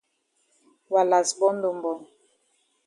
Wa kas born don born.